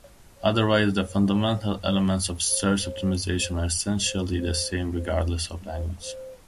Otherwise, the fundamental elements of search optimization are essentially the same, regardless of language.